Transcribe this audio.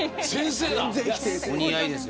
お似合いですよ。